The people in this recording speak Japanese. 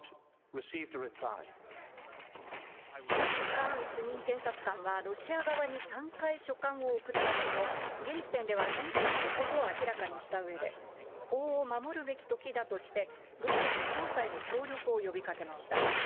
カーン主任検察官はロシア側に３回書簡を送ったものの、現時点では返事がないことを明らかにしたうえで、法を守るべきときだとして、ロシアに捜査への協力を呼びかけました。